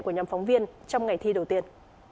của nhóm phóng viên trong ngày thi đầu tiên